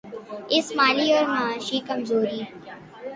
اس مالی اور معاشی کمزوری